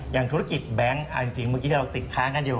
อย่างธุรกิจแบงค์เอาจริงเมื่อกี้ที่เราติดค้างกันอยู่